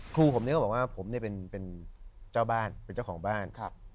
ครูผมเนี่ยก็บอกว่าผมเป็นเจ้าบ้านเป็นเจ้าของบ้าน